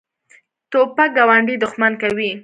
توپک ګاونډي دښمن کوي.